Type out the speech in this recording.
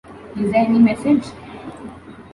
Is there any message?